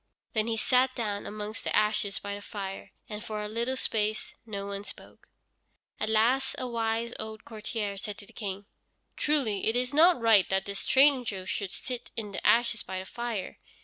Then he sat down amongst the ashes by the fire, and for a little space no one spoke. At last a wise old courtier said to the King: "Truly it is not right that this stranger should sit in the ashes by the fire.